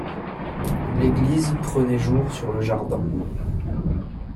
L’église prenait jour sur le jardin.